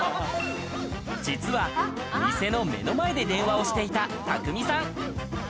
実は店の目の前で電話をしていたタクミさん。